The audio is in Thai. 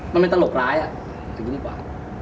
มันเป็นตลกร้ายถึงกลโหก่อน